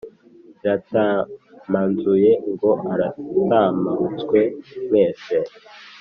iratamanzuye ngo aratamurutswe mwese